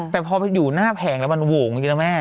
แต่พอไปอยู่หน้าแผงแล้วมันโหว่งจริงนะแม่